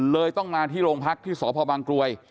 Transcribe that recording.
เลยต้องมาที่โรงพักที่สพบางกรวย